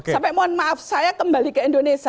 sampai mohon maaf saya kembali ke indonesia